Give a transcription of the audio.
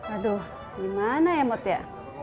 aduh gimana ya mut ya